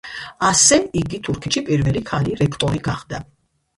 ასე, იგი თურქეთში პირველი ქალი რექტორი გახდა.